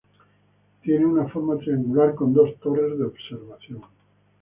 Tiene una forma triangular con dos torres de observación.